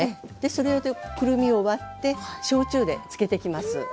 それでくるみを割って焼酎で漬けてきます。